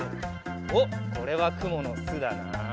おっこれはくものすだな。